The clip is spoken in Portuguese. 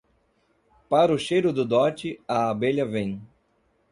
Para o cheiro do dote, a abelha vem.